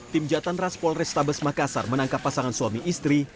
tim jatan ras polrestabes makassar menangkap pasangan suami istri